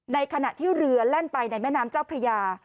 ในขณะที่เรือแล่นไปในแม่น้ำเจ้าพระยา